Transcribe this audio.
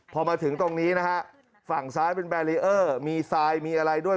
พอมาถึงตรงนี้นะฮะฝั่งซ้ายเป็นแบรีเออร์มีทรายมีอะไรด้วย